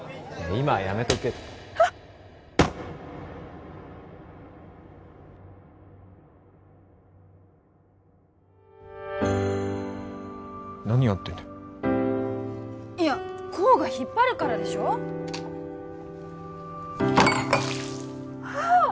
今はやめとけってあっ何やってんだよいや功が引っ張るからでしょあー！